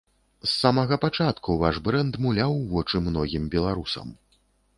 З самага пачатку ваш брэнд муляў вочы многім беларусам.